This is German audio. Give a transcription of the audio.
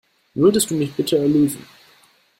Würdest du mich bitte erlösen?